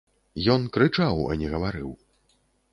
Ён крычаў, а не гаварыў.